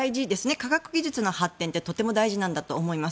科学技術の発展ってとても大事なんだと思います。